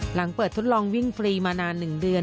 หลังเปิดทดลองวิ่งฟรีมานาน๑เดือน